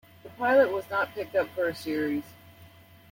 The pilot was not picked up for a series.